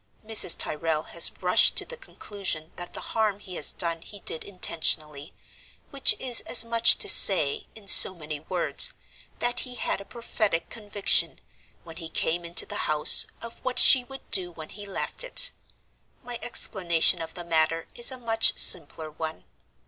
Mrs. Tyrrel has rushed to the conclusion that the harm he has done he did intentionally—which is as much as to say, in so many words, that he had a prophetic conviction, when he came into the house, of what she would do when he left it. My explanation of the matter is a much simpler one.